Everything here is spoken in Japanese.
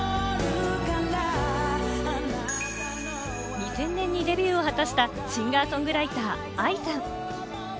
２０００年にデビューを果たしたシンガー・ソングライターのＡＩさん。